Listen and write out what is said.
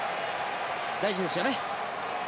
大事ですよね。